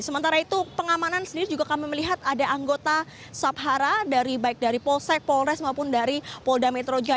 sementara itu pengamanan sendiri juga kami melihat ada anggota sabhara dari baik dari polsek polres maupun dari polda metro jaya